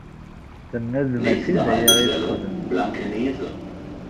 Tenna-d mačči d aya i texdem.